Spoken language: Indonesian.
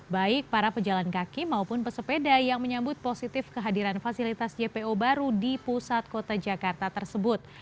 baik para pejalan kaki maupun pesepeda yang menyambut positif kehadiran fasilitas jpo baru di pusat kota jakarta tersebut